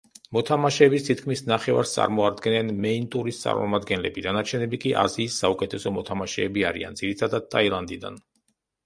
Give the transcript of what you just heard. მოთამაშეების თითქმის ნახევარს წარმოადგენენ მეინ-ტურის წარმომადგენლები, დანარჩენები კი აზიის საუკეთესო მოთამაშეები არიან, ძირითადად ტაილანდიდან.